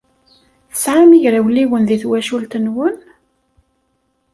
Tesɛam igrawliwen di twacult-nwen?